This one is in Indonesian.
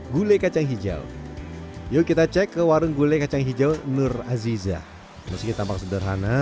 gule kacang hijau yuk kita cek ke warung gule kacang hijau nur aziza meski tampak sederhana